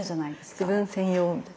自分専用みたいな。